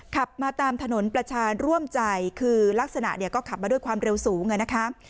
ขับมาตามถนนประชานร่วมใจคือลักษณะเนี่ยก็ขับมาด้วยความเร็วสูงนะคะ